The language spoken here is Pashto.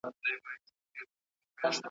درې څلور ځله یې لیري کړ له کلي .